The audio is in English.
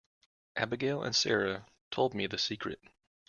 Abigail and Sara told me the secret.